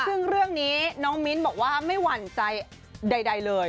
ซึ่งเรื่องนี้น้องมิ้นบอกว่าไม่หวั่นใจใดเลย